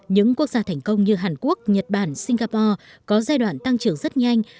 những quốc gia thành công như hàn quốc nhật bản singapore có giai đoạn tăng trưởng rất nhanh